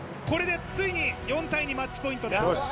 これでついに４対２マッチポイントです